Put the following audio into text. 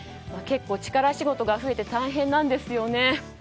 結構、力仕事が増えて大変なんですよね。